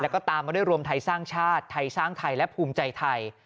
แล้วก็ตามมาด้วยรวมไทยสร้างชาติไทยสร้างไทยและภูมิใจไทย